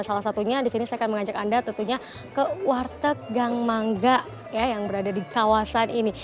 salah satunya di sini saya akan mengajak anda tentunya ke warteg gang mangga yang berada di kawasan ini